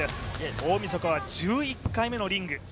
大みそかは１１回目のリング。